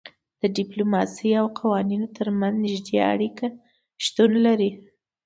د ډیپلوماسي او قوانینو ترمنځ نږدې اړیکه شتون لري